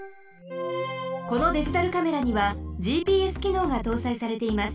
このデジタルカメラにはＧＰＳきのうがとうさいされています。